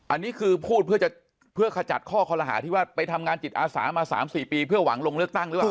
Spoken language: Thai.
อันนี้คือพูดเพื่อขจัดข้อคอลหาที่ว่าไปทำงานจิตอาสามา๓๔ปีเพื่อหวังลงเลือกตั้งหรือเปล่า